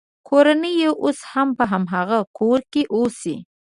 کورنۍ یې اوس هم په هماغه کور کې اوسي.